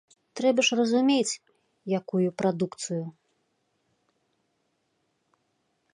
Трэба ж разумець, якую прадукцыю.